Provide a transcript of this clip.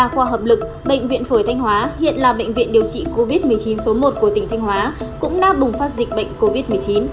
khoa hợp lực bệnh viện phổi thanh hóa hiện là bệnh viện điều trị covid một mươi chín số một của tỉnh thanh hóa cũng đã bùng phát dịch bệnh covid một mươi chín